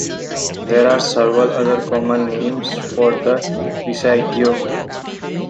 There are several other common names for the "passaggio".